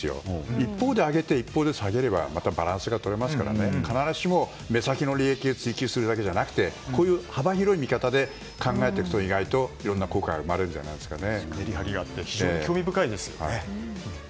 一方で上げて、一方で下げればまたバランスが取れますから必ずしも目先の利益を追求するだけじゃなくて幅広い見方で考えていくと意外といろんな効果がおぉぜいたくですね。